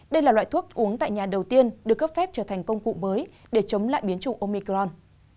đây là loại thuốc uống tại nhà đầu tiên được cấp phép trở thành công cụ mới để chống lại biến chủng omicron